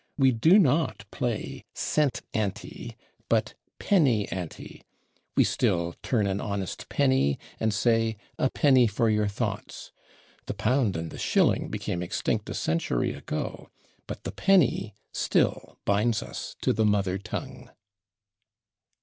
We do not play /cent/ ante, but /penny/ ante. We still "turn an honest /penny/" and say "a /penny/ for your thoughts." The pound and the shilling became extinct a century ago, but the penny still binds us to the mother tongue.